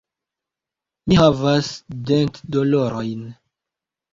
Mi havas dentdolorojn.